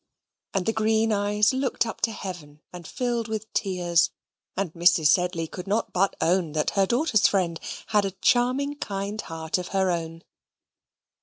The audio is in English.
and the green eyes looked up to Heaven and filled with tears; and Mrs. Sedley could not but own that her daughter's friend had a charming kind heart of her own.